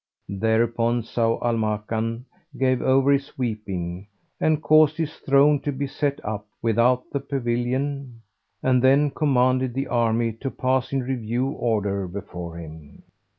Thereupon Zau al Makan gave over his weeping and caused his throne to be set up without the pavilion, and then commanded the army to pass in review order before him.